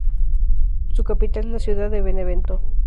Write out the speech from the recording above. Su capital es la ciudad de Benevento.